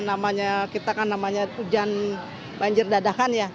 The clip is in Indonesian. namanya kita kan namanya hujan banjir dadakan ya